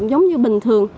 giống như bình thường